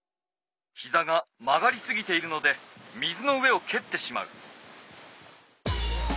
ひざが曲がりすぎているので水の上をけってしまう。